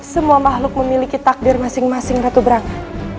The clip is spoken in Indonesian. semua makhluk memiliki takdir masing masing ratu braka